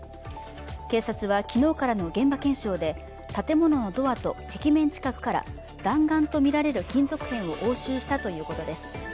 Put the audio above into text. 警察は昨日からの現場検証で建物のドアと壁面近くから弾丸とみられる金属片を押収したということです。